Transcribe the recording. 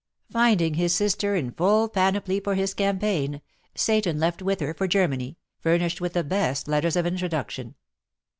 Finding his sister in full panoply for his campaign, Seyton left with her for Germany, furnished with the best letters of introduction.